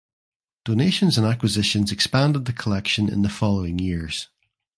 Donations and acquisitions expanded the collection in the following years.